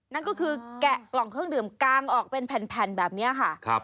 นั่นก็คือแกะกล่องเครื่องดื่มกางออกเป็นแผ่นแบบนี้ค่ะ